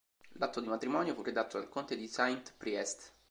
L'atto di matrimonio fu redatto dal conte di Saint Priest.